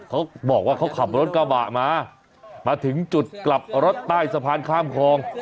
เขาบอกว่าเขาขับรถกระบะมามาถึงจุดกลับรถใต้สะพานข้ามคลอง